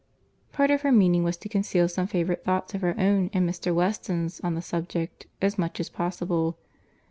Part of her meaning was to conceal some favourite thoughts of her own and Mr. Weston's on the subject, as much as possible.